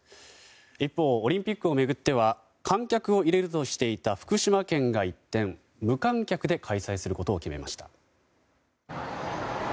一方、オリンピックを巡っては観客を入れるとしていた福島県が一転無観客で開催することを決めました。